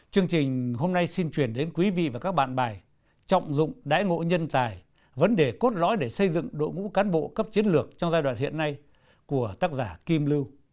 chương trình hôm nay xin chuyển đến quý vị và các bạn bài trọng dụng đại ngộ nhân tài vấn đề cốt lõi để xây dựng đội ngũ cán bộ cấp chiến lược trong giai đoạn hiện nay của tác giả kim lưu